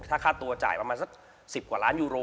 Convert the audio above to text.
ถ้าค่าตัวจ่ายประมาณสัก๑๐กว่าล้านยูโร